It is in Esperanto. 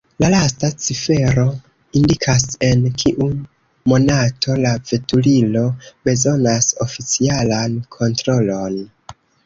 La lasta cifero indikas, en kiu monato la veturilo bezonas oficialan kontrolon.